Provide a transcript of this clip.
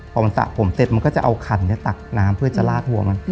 พอมันสระผมเสร็จมันก็จะเอาขันตักน้ำเพื่อจะลากหัวมัน